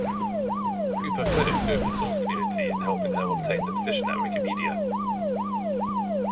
Cooper credits the open source community in helping her obtain the position at Wikimedia.